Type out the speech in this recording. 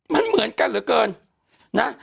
มันเหมือนกันเหลือเกินนะ